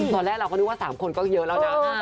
ตอนแรกเราก็นึกว่า๓คนก็เยอะแล้วนะ